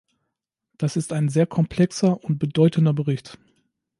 Das ist ein sehr komplexer und bedeutender Bericht.